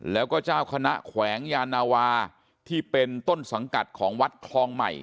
แล้วก็เจ้าคณะแขวงยานาวาที่เป็นต้นสังกัดของวัดคลองใหม่